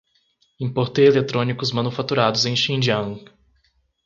Importei eletrônicos manufaturados em Xinjiang